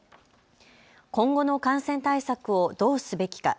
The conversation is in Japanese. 今後の感染対策をどうすべきか。